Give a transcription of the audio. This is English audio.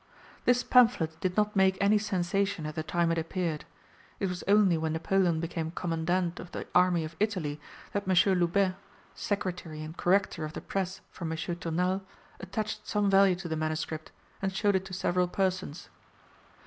This pamphlet did not make any sensation at the time it appeared. It was only when Napoleon became Commandant of the Army of Italy that M. Loubet, secretary and corrector of the press for M. Tournal, attached some value to the manuscript, and showed it to several persons.